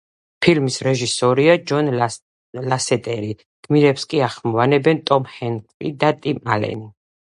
ფილმის რეჟისორია ჯონ ლასეტერი, გმირებს კი ახმოვანებენ ტომ ჰენქსი და ტიმ ალენი.